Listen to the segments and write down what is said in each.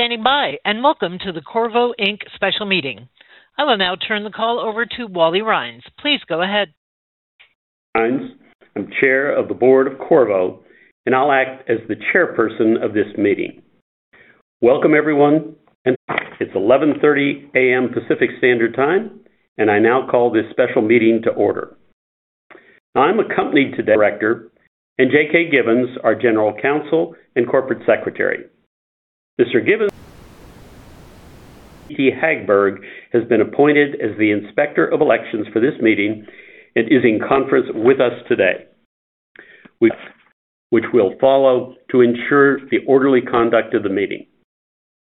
Standing by, and welcome to the Qorvo, Inc. special meeting. I will now turn the call over to Wally Rhines. Please go ahead. Rhines. I'm Chair of the Board of Qorvo, and I'll act as the chairperson of this meeting. Welcome, everyone, and it's 11:30 A.M. Pacific Standard Time, and I now call this special meeting to order. I'm accompanied today, Director, and Jason K. Givens, our General Counsel and Corporate Secretary. Mr. Givens, Hagberg has been appointed as the Inspector of Elections for this meeting and is in conference with us today. Which we'll follow to ensure the orderly conduct of the meeting.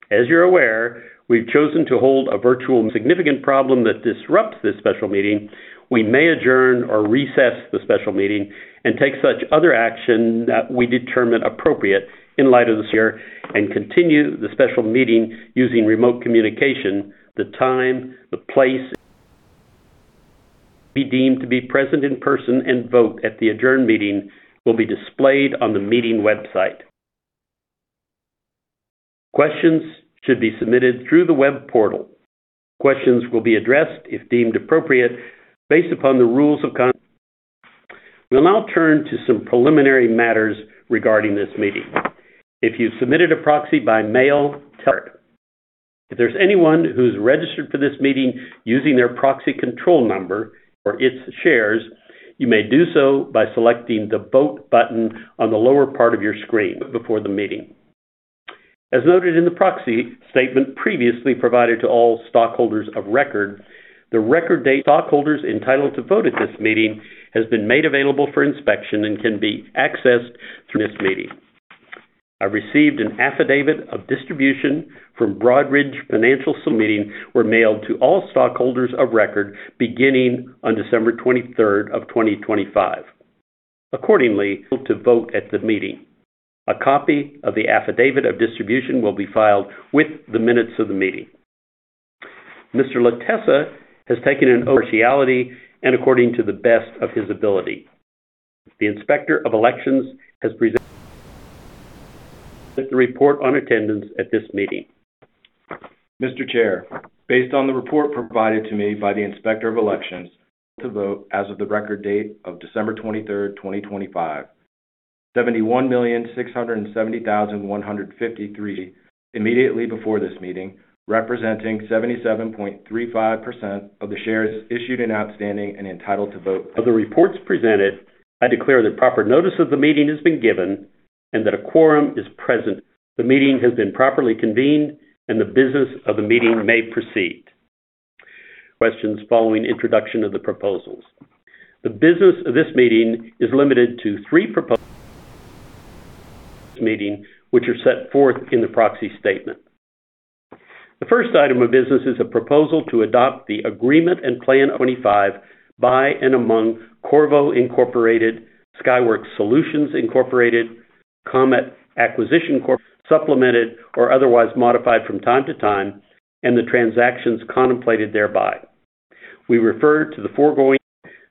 As you're aware, we've chosen to hold a virtual... significant problem that disrupts this special meeting, we may adjourn or recess the special meeting and take such other action that we determine appropriate in light of the share, and continue the special meeting using remote communication, the time, the place. be deemed to be present in person and vote at the adjourned meeting will be displayed on the meeting website. Questions should be submitted through the web portal. Questions will be addressed, if deemed appropriate, based upon the rules of conduct. We'll now turn to some preliminary matters regarding this meeting. If you submitted a proxy by mail, tell us. If there's anyone who's registered for this meeting using their proxy control number or its shares, you may do so by selecting the vote button on the lower part of your screen before the meeting. As noted in the Proxy Statement previously provided to all stockholders of record, the Record Date... Stockholders entitled to vote at this meeting has been made available for inspection and can be accessed through this meeting. I received an Affidavit of Distribution from Broadridge Financial Solutions. Meeting materials were mailed to all stockholders of record beginning on December 23, 2025. Accordingly, to vote at the meeting. A copy of the Affidavit of Distribution will be filed with the minutes of the meeting. Mr. LaTessa has taken an oath of impartiality and according to the best of his ability. The Inspector of Elections has presented the report on attendance at this meeting. Mr. Chair, based on the report provided to me by the Inspector of Elections, to vote as of the Record Date of December 23, 2025, 71,670,153 immediately before this meeting, representing 77.35% of the shares issued and outstanding and entitled to vote. Of the reports presented, I declare that proper notice of the meeting has been given and that a quorum is present. The meeting has been properly convened, and the business of the meeting may proceed. Questions following introduction of the proposals. The business of this meeting is limited to three proposals, which are set forth in the proxy statement. The first item of business is a proposal to adopt the Agreement and Plan of Merger by and among Qorvo, Skyworks Solutions, Comet Acquisition Corp., supplemented or otherwise modified from time to time and the transactions contemplated thereby. We refer to the foregoing.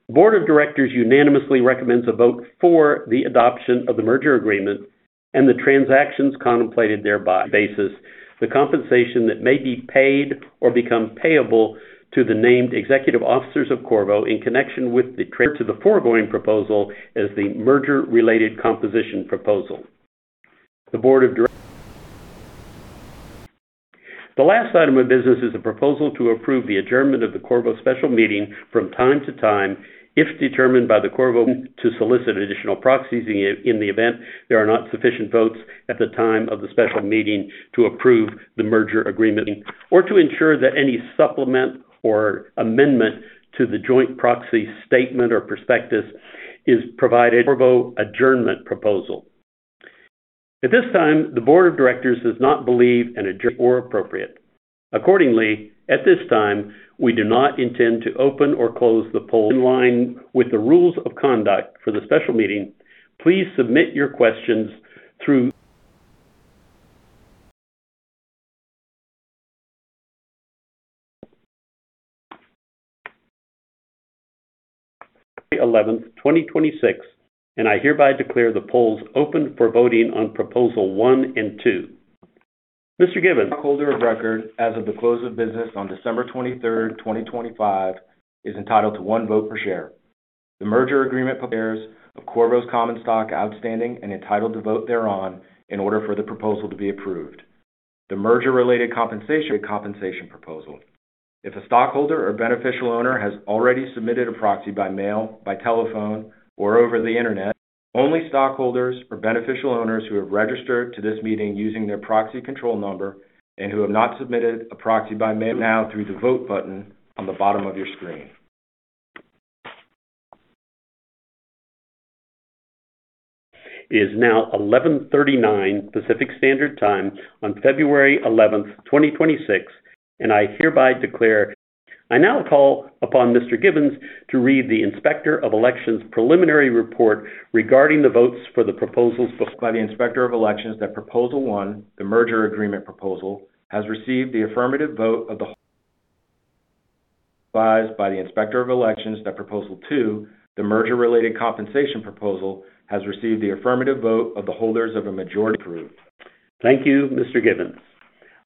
Board of Directors unanimously recommends a vote for the adoption of the Merger Agreement and the transactions contemplated thereby. Basis, the compensation that may be paid or become payable to the named executive officers of Qorvo in connection with the... To the foregoing proposal Merger-Related Compensation Proposal. the Board of Directors. The last item of business is a proposal to approve the adjournment of the Qorvo special meeting from time to time, if determined by the Qorvo, to solicit additional proxies in the event there are not sufficient votes at the time of the special meeting to approve the Merger Agreement, or to ensure that any supplement or amendment to the joint proxy statement or prospectus is provided. Qorvo Adjournment Proposal. At this time, the Board of Directors does not believe an adjournment is appropriate. Accordingly, at this time, we do not intend to open or close the poll. In line with the rules of conduct for the special meeting, please submit your questions through... February 11th, 2026, and I hereby declare the polls open for voting on Proposal 1 and 2. Mr. Givens. Holder of record as of the close of business on December 23, 2025, is entitled to one vote per share. The Merger Agreement prepares of Qorvo's common stock, outstanding and entitled to vote thereon in order for the proposal to be approved. The Merger-Related Compensation Proposal. If a stockholder or beneficial owner has already submitted a proxy by mail, by telephone, or over the internet, only stockholders or beneficial owners who have registered to this meeting using their proxy control number and who have not submitted a proxy by mail, now through the vote button on the bottom of your screen. It is now 11:39 A.M. Pacific Standard Time on February 11th, 2026, and I hereby declare... I now call upon Mr. Givens to read the Inspector of Elections' preliminary report regarding the votes for the proposals. By the Inspector of Elections, that Proposal 1, the Merger Agreement Proposal, has received the affirmative vote of the... By the Inspector of Elections, that Proposal 2, the Merger-Related Compensation Proposal, has received the affirmative vote of the holders of a majority approved. Thank you, Mr. Givens.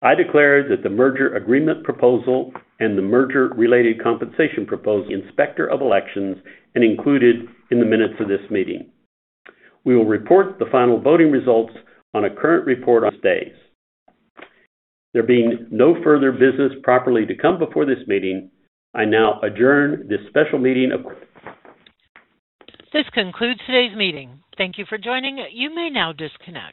I declare that the Merger Agreement Proposal and the Merger-Related Compensation Proposal, Inspector of Elections, and included in the minutes of this meeting. We will report the final voting results on a Current Report on 8-K. There being no further business properly to come before this meeting, I now adjourn this special meeting of Qorvo. This concludes today's meeting. Thank you for joining. You may now disconnect.